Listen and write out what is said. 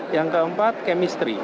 yang keempat kemistri